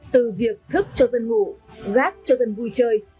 từ việc thức cho dân ngủ gác cho dân vui chơi